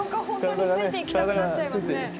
本当についていきたくなっちゃいますね。